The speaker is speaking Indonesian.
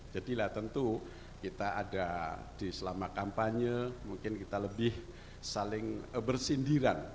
jadilah tentu kita ada di selama kampanye mungkin kita lebih saling bersindiran